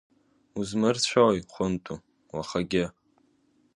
Узмырцәои, Хәынту, уахагьы?